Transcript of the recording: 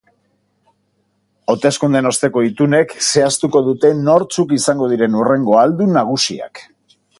Hauteskundeen osteko itunek zehaztuko dute nortzuk izango diren hurrengo ahaldun nagusiak.